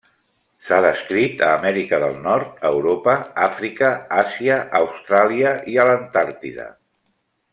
S'ha descrit a Amèrica del Nord, Europa, Àfrica, Àsia, Austràlia i a l'Antàrtida.